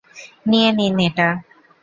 নিয়ে নিন এটা।